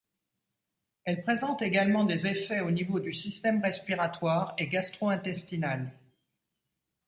Elle présente également des effets au niveau du système respiratoire et gastro-intestinal.